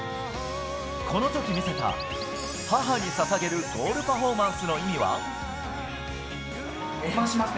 このとき見せた母にささげるゴールパフォーマンスの意味は。